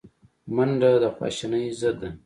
منډه د خواشینۍ ضد ده